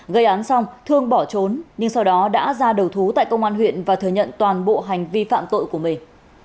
gây án xong thương bỏ trốn nhưng sau đó đã ra đầu thú tại công an huyện và thừa nhận toàn bộ hành vi phạm tội của mình